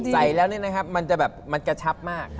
ใส่แล้วเนี่ยนะครับมันจะแบบมันกระชับมาก